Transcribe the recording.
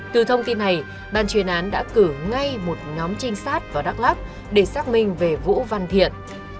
từ thông tin này ban chuyên án đã cử ngay một nhóm trinh sát vào đắk lắc để xác minh về vũ văn thiện